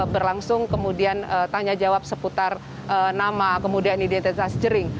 berlangsung kemudian tanya jawab seputar nama kemudian identitas jering